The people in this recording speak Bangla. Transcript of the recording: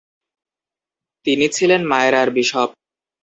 তিনি ছিলেন মায়রার বিশপ।